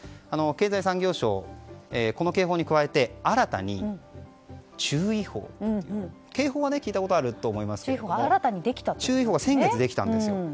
経済産業省、この警報に加えて新たに注意報という警報は聞いたことがあると思いますが注意報は先月できたんです。